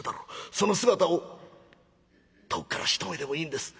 その姿を遠くから一目でもいいんです